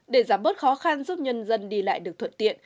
để giảm bớt khó khăn giúp nhân dân đi lại được thuận tiện